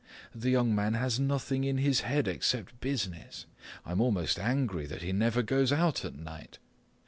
The young man has nothing in his head except business. I'm almost angry that he never goes out at night.